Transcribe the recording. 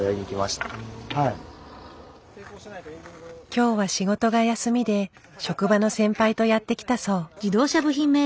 今日は仕事が休みで職場の先輩とやって来たそう。